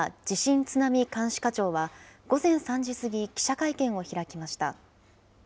地震津波監視課長は、午前３時過ぎ、記者会見を開きました。